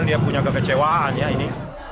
dia punya kekecewaan ya ini